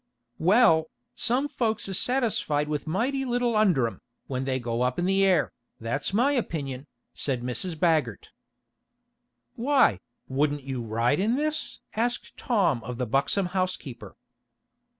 "Well, some folks is satisfied with mighty little under 'em, when they go up in the air, that's my opinion," said Mrs. Baggert. "Why, wouldn't you ride in this?" asked Tom of the buxom housekeeper.